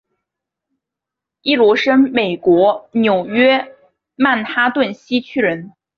伊罗生美国纽约曼哈顿西区人。